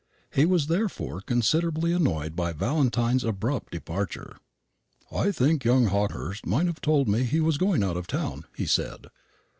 He was therefore considerably annoyed by Valentine's abrupt departure. "I think young Hawkehurst might have told me he was going out of town," he said.